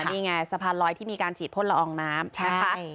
นี่ไงสภารรอยที่มีการฉีดพ่นละอองน้ำ